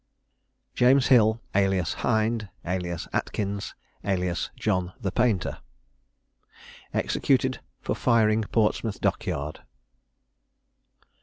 JAMES HILL, alias HIND, alias ATKINS, alias JOHN THE PAINTER. EXECUTED FOR FIRING PORTSMOUTH DOCK YARD.